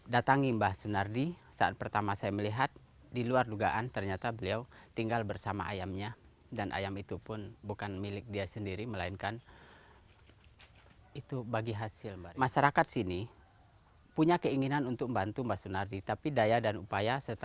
dan itu terbatas